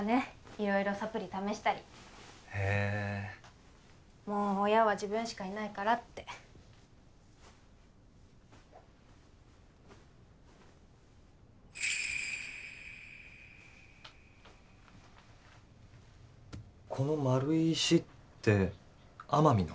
色々サプリ試したりへえもう親は自分しかいないからってこの丸い石って奄美の？